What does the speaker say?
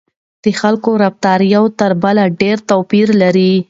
د خلکو رفتار یو تر بل ډېر توپیر لري.